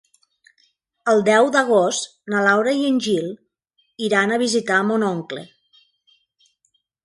El deu d'agost na Laura i en Gil iran a visitar mon oncle.